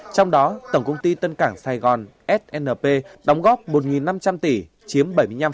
trong đó tổng công ty tân cảng sài gòn snp đóng góp một năm trăm linh tỷ chiếm bảy mươi năm